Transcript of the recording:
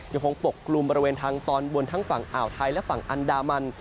ปกกลุ่มบริเวณทางตอนบนทั้งฝั่งอ่าวไทยและฝั่งอันดามัน